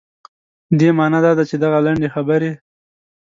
دې معنا دا ده چې دغه لنډې خبرې.